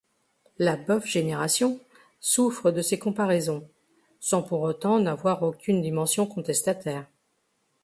La Bof génération souffre de ces comparaisons, sans pour autant n'avoir aucune dimension contestataire.